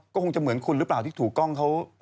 ก็คงจะเหมือนคุณหรือเปล่าที่ถูกกล้องเขา